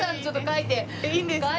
いいんですか？